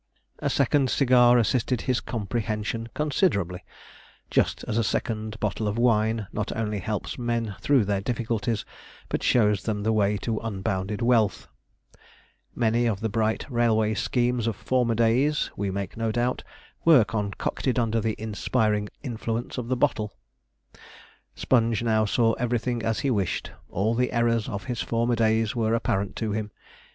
SPONGE AS HE APPEARED IN THE BEST BEDROOM] A second cigar assisted his comprehension considerably just as a second bottle of wine not only helps men through their difficulties, but shows them the way to unbounded wealth. Many of the bright railway schemes of former days, we make no doubt, were concocted under the inspiring influence of the bottle. Sponge now saw everything as he wished. All the errors of his former days were apparent to him.